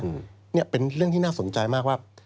อืมเนี่ยเป็นเรื่องที่น่าสนใจมากว่า